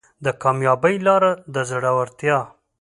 د کامیابۍ لاره د زړورتیا